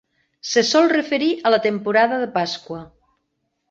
Se sol referir a la temporada de Pasqua.